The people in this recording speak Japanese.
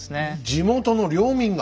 地元の領民が。